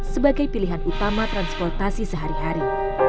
sebagai pilihan utama transportasi sehari hari